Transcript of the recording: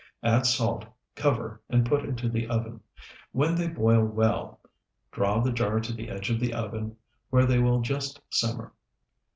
Add salt, cover, and put into the oven. When they boil well, draw the jar to the edge of the oven, where they will just simmer.